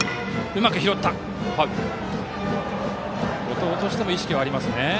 後藤としても意識はありますね。